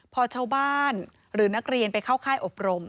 พอชาวบ้านหรือนักเรียนไปเข้าค่ายอบรม